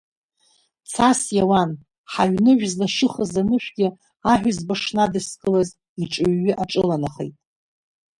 Цас иауан ҳаҩныжә злашьыхыз анышәгьы аҳәызба шнадскылаз иҿыҩҩы аҿыланахеит.